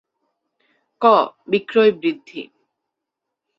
ক. বিক্রয় বৃদ্ধি